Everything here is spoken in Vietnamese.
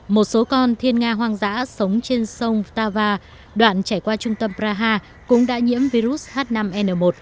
một số con thiên nga hoang dã sống trên sông tava đoạn chảy qua trung tâm praha cũng đã nhiễm virus h năm n một